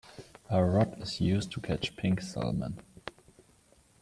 A rod is used to catch pink salmon.